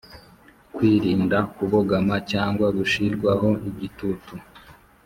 Kwirinda kubogama cyangwa gushyirwaho igitutu